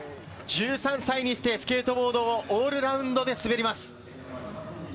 １３歳にしてスケートボードをオールラウンドで滑ります。